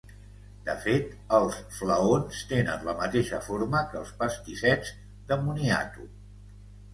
De fet, els flaons tenen la mateixa forma que els pastissets de moniato.